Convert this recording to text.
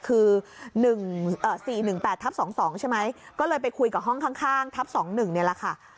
คือ๑๔๑๘ทับ๒๒ใช่ไหมก็เลยไปคุยกับห้องข้างทัพ๒๑นี่แหละค่ะ